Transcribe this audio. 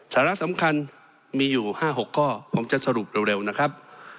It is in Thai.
สาระสำคัญมีอยู่๕๖ข้อผมจะสรุปเร็วนะครับ